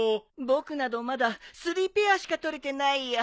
僕などまだスリーペアしか取れてないよ。